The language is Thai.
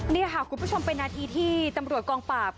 นี่ค่ะคุณผู้ชมเป็นนาทีที่ตำรวจกองปราบ